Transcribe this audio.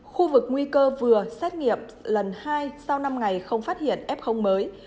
khu vực nguy cơ vừa xét nghiệm lần hai sau năm ngày không phát hiện f mới